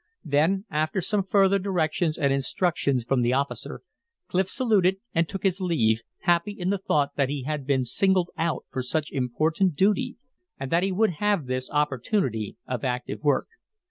Then after some further directions and instructions from the officer, Clif saluted and took his leave, happy in the thought that he had been singled out for such important duty and that he would have this opportunity of active work.